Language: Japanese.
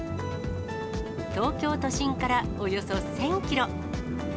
東京都心からおよそ１０００キロ。